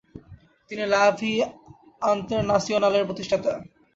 তিনি La Vie আঁন্তেরনাসিওনাল-এর প্রতিষ্ঠাতা।